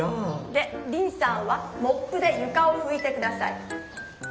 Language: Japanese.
でリンさんは「モップ」でゆかをふいて下さい。